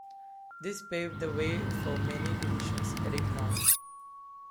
This paved the way for many divisions heading north.